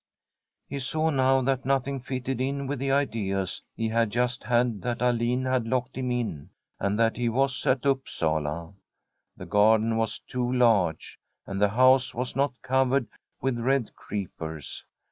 He saw now that nothing fitted in with the ideas he had just had that Alin had locked him in, and that he was at Upsala. The garden was too large, and the house was not covered with red creepers.